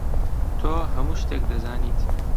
تۆ هەموو شتێک دەزانیت.